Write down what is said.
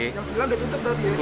yang sebelah udah tutup